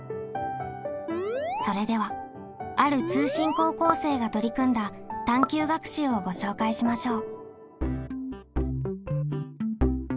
それではある通信高校生が取り組んだ探究学習をご紹介しましょう。